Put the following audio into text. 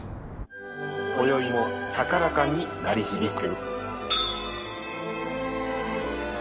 こよいも高らかに鳴り響く。